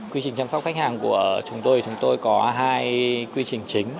quy trình chăm sóc khách hàng của chúng tôi chúng tôi có hai quy trình chính